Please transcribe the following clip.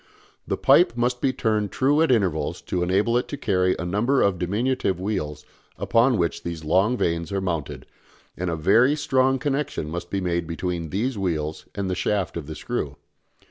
The pipe must be turned true at intervals to enable it to carry a number of diminutive wheels upon which these long vanes are mounted, and a very strong connection must be made between these wheels and the shaft of the screw.